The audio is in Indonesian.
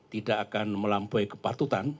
tidak akan melampaui kepatutan